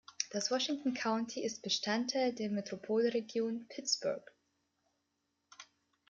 Das Washington County ist Bestandteil der Metropolregion Pittsburgh.